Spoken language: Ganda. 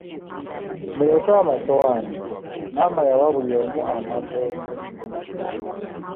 Muleete amasowaani, maama yawa buli omu amatooke.